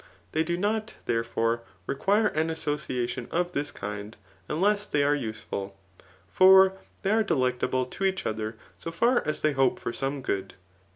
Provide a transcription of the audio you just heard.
They do not, therefore, require an association of this kind, unless they are useful ; for they are delecta ble to each other so far as they hope for some good.